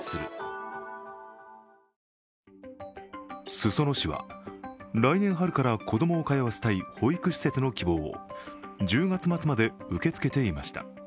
裾野市は来年春から子供を通わせたい保育施設の希望を１０月末まで受け付けていました。